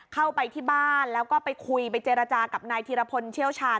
เข้าไปที่บ้านแล้วก็ไปคุยไปเจรจากับนายธีรพลเชี่ยวชาญ